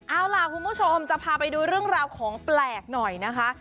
เอาล่ะคุณผู้ชมจะพาไปดูเรื่องราวของแปลกหน่อยนะคะ